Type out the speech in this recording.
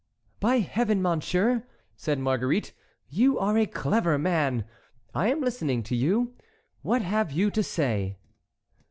"By Heaven, monsieur," said Marguerite, "you are a clever man. I am listening to you. What have you to say?"